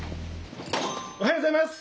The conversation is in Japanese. おはようございます！